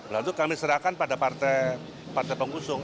lalu kami serahkan pada partai pengusung